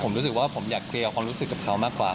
ผมรู้สึกว่าผมอยากเคลียร์ความรู้สึกกับเขามากกว่า